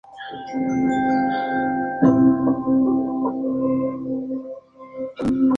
Licenciado en Filología Románica, ha trabajado en varias organizaciones del mundo editorial.